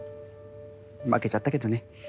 負けちゃったけどね。